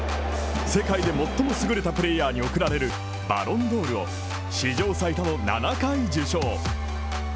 世界で最も優れたプレーヤーに贈られるバロンドールを史上最多の７回受賞。